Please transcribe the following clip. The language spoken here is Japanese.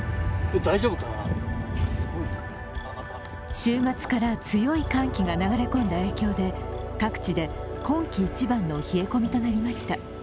週末から強い寒気が流れ込んだ影響で各地で今季一番の冷え込みとなりました。